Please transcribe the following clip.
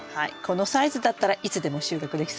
このサイズだったらいつでも収穫できそうですね。